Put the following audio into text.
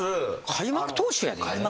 開幕投手やで。